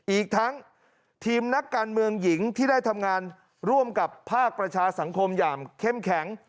อีกทั้งทีมนักการเมืองหญิงที่ได้ทำงานร่วมกับภาคประชาสังคมอย่างเข้มแข็ง